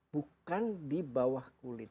bukan di bawah kulit